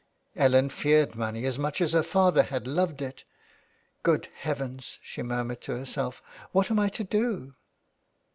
Ellen feared money as much as her father had loved it. '' Good Heavens,*' she murmured to herself, "what am I to do?''